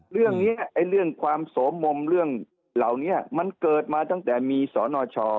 เรื่องนี้เรื่องความโสมมเรื่องเหล่านี้มันเกิดมาตั้งแต่มีสนช